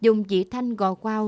dùng dị thanh gò quao